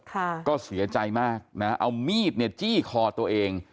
ค่ะก็เสียใจมากนะเอามีดเนี่ยจี้คอตัวเอง